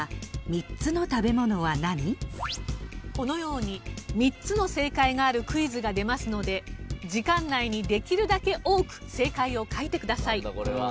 このように３つの正解があるクイズが出ますので時間内にできるだけ多く正解を書いてください。